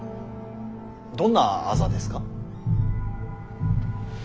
どんな痣ですか？